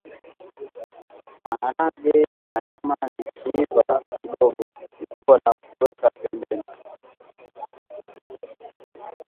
Maharage na nyama vikiiva kidogo ipua na kuweka pembeni